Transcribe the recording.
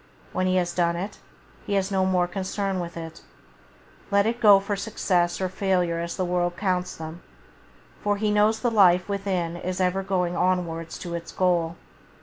When he has done it, he has no more concern with it. Let it go for success or failure as the world counts them, for he knows the Life within is ever going onwards to its goal.